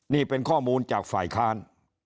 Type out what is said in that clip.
นี่เป็นข้อมูลจากฝ่ายค้าน